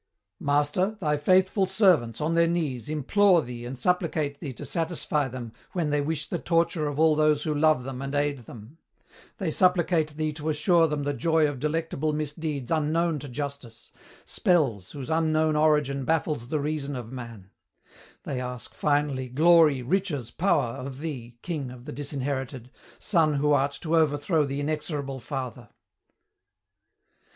"Master, thy faithful servants, on their knees, implore thee and supplicate thee to satisfy them when they wish the torture of all those who love them and aid them; they supplicate thee to assure them the joy of delectable misdeeds unknown to justice, spells whose unknown origin baffles the reason of man; they ask, finally, glory, riches, power, of thee, King of the Disinherited, Son who art to overthrow the inexorable Father!"